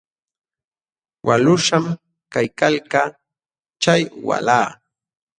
Waqlluśhqam kaykalkaa chay walah.